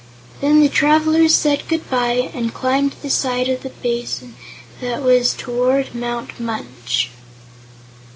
Then the travelers said good bye, and climbed the side of the basin that was toward Mount Munch.